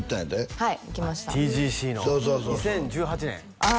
はい行きましたＴＧＣの２０１８年ああ